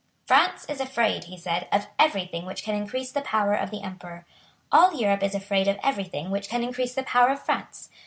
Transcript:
"France is afraid," he said, "of every thing which can increase the power of the Emperor. All Europe is afraid of every thing which can increase the power of France.